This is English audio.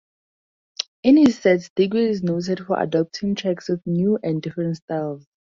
In his sets, Digweed is noted for adopting tracks with new and different styles.